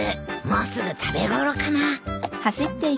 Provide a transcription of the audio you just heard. もうすぐ食べ頃かなん？